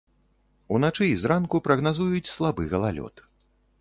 Уначы і зранку прагназуюць слабы галалёд.